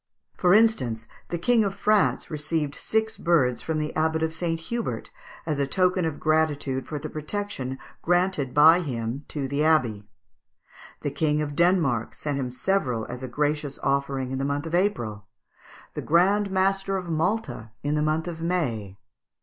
For instance, the King of France received six birds from the Abbot of St. Hubert as a token of gratitude for the protection granted by him to the abbey. The King of Denmark sent him several as a gracious offering in the month of April; the Grand Master of Malta in the month of May.